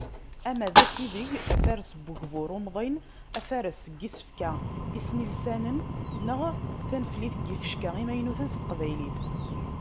Ama d asideg, afares n ugbur umḍin, afares n yisefka isnilsanen neɣ taneflit n yifecka imaynuten s teqbaylit.